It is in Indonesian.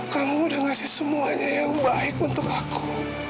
kamu sudah memberi semuanya yang baik untuk aku